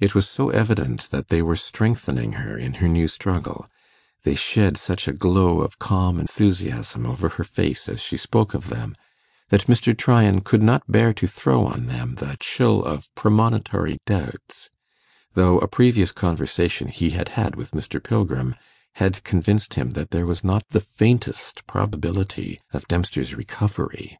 It was so evident that they were strengthening her in her new struggle they shed such a glow of calm enthusiasm over her face as she spoke of them, that Mr. Tryan could not bear to throw on them the chill of premonitory doubts, though a previous conversation he had had with Mr. Pilgrim had convinced him that there was not the faintest probability of Dempster's recovery.